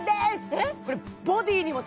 えっ？